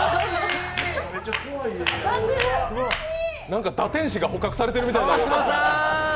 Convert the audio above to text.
何が堕天使が捕獲されているみたいな。